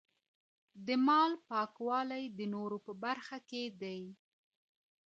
د مال پاکوالی د نورو په برخه کي دی.